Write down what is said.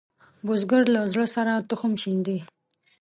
بزګر له زړۀ سره تخم شیندي